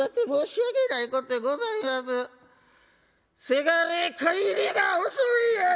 「せがれ帰りが遅いやないかい！」。